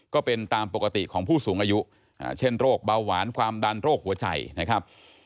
ก็เป็นตามปกติของผู้สูงอายุเช่นโรคเบาหวานความดันโรคหัวใจนะครับ